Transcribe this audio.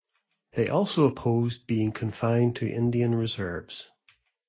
They also opposed being confined to Indian reserves.